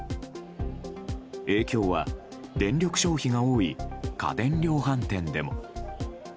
影響は電力消費が多い家電量販店でも。